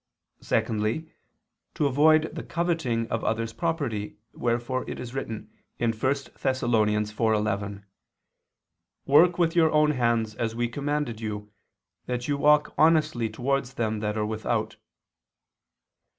Secondly, to avoid the coveting of others' property, wherefore it is written (1 Thess. 4:11): "Work with your own hands, as we commanded you, and that you walk honestly towards them that are without."